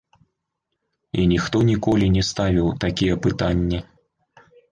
І ніхто ніколі не ставіў такія пытанні.